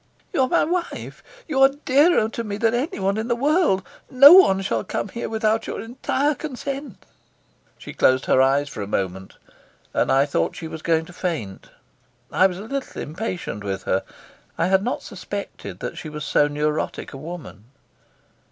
"You are my wife; you are dearer to me than anyone in the world. No one shall come here without your entire consent." She closed her eyes for a moment, and I thought she was going to faint. I was a little impatient with her; I had not suspected that she was so neurotic a woman.